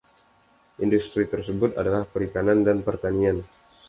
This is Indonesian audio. Industri tersebut adalah perikanan dan pertanian.